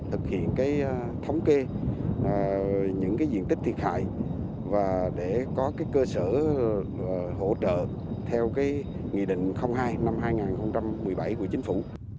thực hiện thống kê những diện tích thiệt hại và để có cơ sở hỗ trợ theo nghị định hai năm hai nghìn một mươi bảy của chính phủ